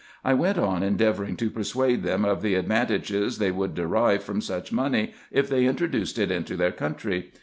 I went on endeavouring to persuade them of the advantages they would derive from such money, if they introduced it into their country.